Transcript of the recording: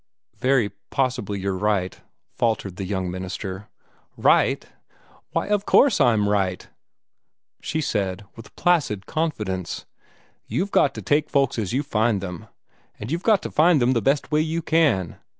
"Very possibly you're right," faltered the young minister. "Right? Why, of course I'm right," she said, with placid confidence. "You've got to take folks as you find them; and you've got to find them the best way you can.